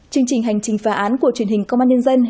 chương trình hành trình phá án của truyền hình công an nhân dân